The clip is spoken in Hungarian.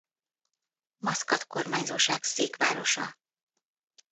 Maszkat kormányzóság székvárosa.